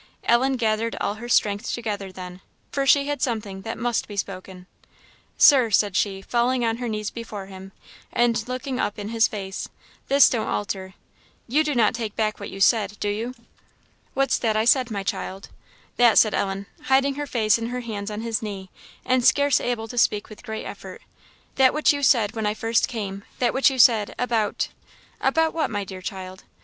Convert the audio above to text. Ellen gathered all her strength together then, for she had something that must be spoken. "Sir," said she, falling on her knees before him, and looking up in his face "this don't alter you do not take back what you said, do you?" "What's that I said, my child?" "That," said Ellen, hiding her face in her hands on his knee, and scarce able to speak with great effort "that which you said when I first came that which you said about " "About what, my dear child?"